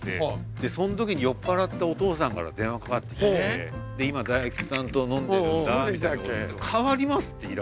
でその時に酔っ払ったお父さんから電話かかってきて今大吉さんと飲んでるんだ代わりますって言いだして。